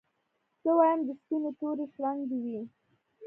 زه وايم د سپيني توري شړنګ دي وي